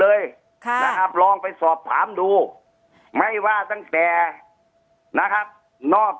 เลยค่ะนะครับลองไปสอบถามดูไม่ว่าตั้งแต่นะครับนอก